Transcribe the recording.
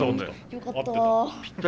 よかった。